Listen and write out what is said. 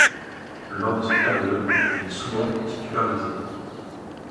Lors de cette période, il est souvent titularisé.